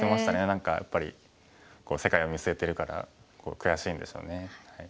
何かやっぱり世界を見据えてるから悔しいんでしょうね。